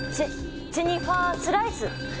ジェニファー・スライス。